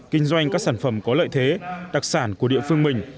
kinh doanh các sản phẩm có lợi thế đặc sản của địa phương mình